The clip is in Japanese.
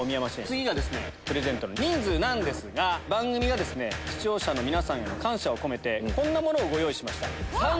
次がですねプレゼントの人数なんですが番組が視聴者の皆さんへの感謝を込めてこんなものをご用意しました。